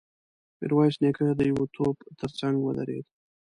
ميرويس نيکه د يوه توپ تر څنګ ودرېد.